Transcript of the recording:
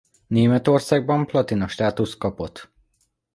Németországban Platina státuszt kapott.